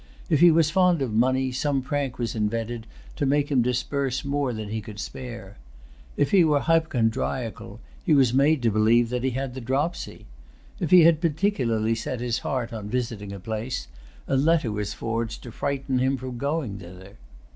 If he was fond of money, some prank was invented to make him disburse more than he could spare. If he was hypochondriacal, he was made to believe that he had the dropsy. If he had particularly set his heart on visiting a place, a letter was forged to frighten him from going thither.